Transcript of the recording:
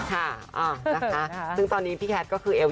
ค่ะนะคะซึ่งตอนนี้พี่แคทก็คือเอว